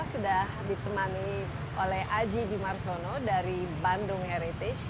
sudah ditemani oleh aji bimarsono dari bandung heritage